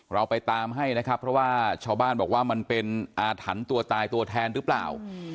เราไปตามให้นะครับเพราะว่าชาวบ้านบอกว่ามันเป็นอาถรรพ์ตัวตายตัวแทนหรือเปล่า